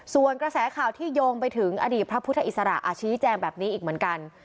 ส่วนกระแสข่าวที่โยงไปถึงอดีตพระพุทธอิสระอาชี้แจงแบบนี้อีกเหมือนกัน